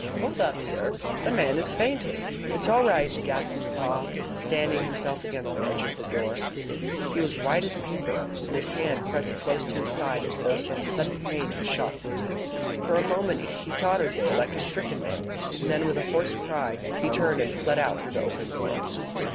Hold up, sir! The man is fainting!" "It is all right!" gasped Haw, steadying himself against the edge of the door. He was as white as paper, and his hand was pressed close to his side as though some sudden pain had shot through him. For a moment he tottered there like a stricken man, and then, with a hoarse cry, he turned and fled out through the open door.